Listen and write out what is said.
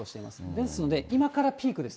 ですので、今からピークです。